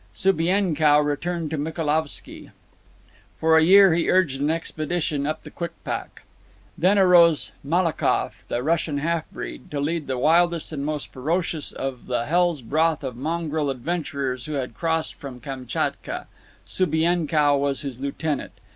Subienkow returned to Michaelovski. For a year he urged an expedition up the Kwikpak. Then arose Malakoff, the Russian half breed, to lead the wildest and most ferocious of the hell's broth of mongrel adventurers who had crossed from Kamtchatka. Subienkow was his lieutenant.